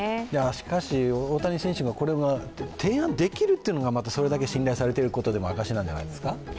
しかし、大谷選手もこれが提案できるっていうのもそれだけ信頼されている証しなんじゃないですか。